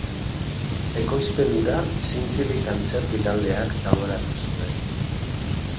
Ekoizpen hura Zintzilik antzerki taldeak taularatu zuen.